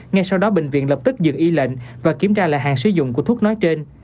ngay sau đó bệnh viện lập tức dừng y lệnh và kiểm tra lại hàng sử dụng của thuốc nói trên